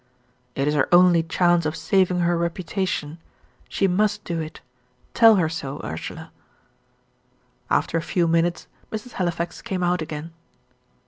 "It is her only chance of saving her reputation. She must do it. Tell her so, Ursula." After a few minutes, Mrs. Halifax came out again.